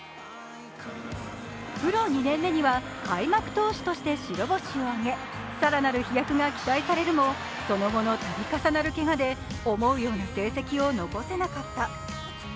プロ２年目には開幕投手として白星を挙げ更なる飛躍が期待されるも、その後の度重なるけがで思うような成績を残せなかった。